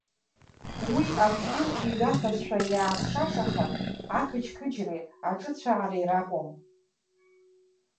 Уи афҭил иҩахазшәа иааҭшашахан, ақыџьқыџьреи, аҿыцәаареи ракәым.